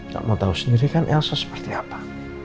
kamu tahu sendiri kan elsa seperti apa